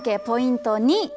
ポイント２！